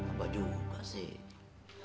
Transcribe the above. apa juga sih